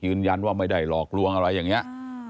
ยืนยันว่าไม่ใดหลอกลวงอะไรอย่างนี้